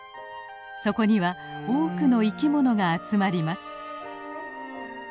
そこには多くの生き物が集まります。